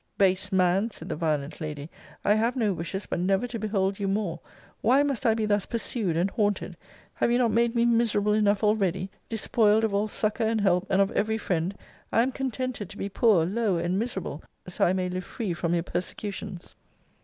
Base man! said the violent lady, I have no wishes, but never to behold you more! Why must I be thus pursued and haunted? Have you not made me miserable enough already? Despoiled of all succour and help, and of every friend, I am contented to be poor, low, and miserable, so I may live free from your persecutions.